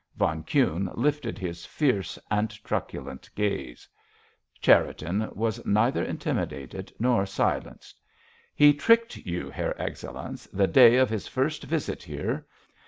Von Kuhne lifted his fierce and truculent gaze. Cherriton was neither intimidated nor silenced. "He tricked you, Herr Excellenz, the day of his first visit here.